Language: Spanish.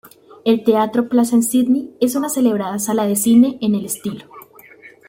El Teatro Plaza en Sídney es una celebrada sala de cine en el estilo.